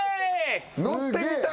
乗ってみたい。